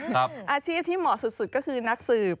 อาชีพที่เหมาะสุดก็คือนักสืบ